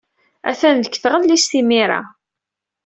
Atan deg tɣellist imir-a.